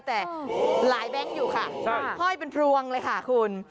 แต่หลายแบงค์อยู่ค่ะห้อยเป็นพรวงเลยค่ะคุณ